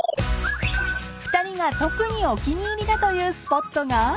［２人が特にお気に入りだというスポットが］